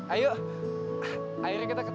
ayo akhirnya kita ketemu juga yuk